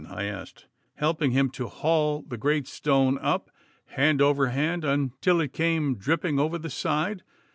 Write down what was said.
I asked, helping him to haul the great stone up, hand over hand, until it came dripping over the side.